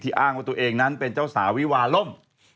อ้างว่าตัวเองนั้นเป็นเจ้าสาววิวาล่ม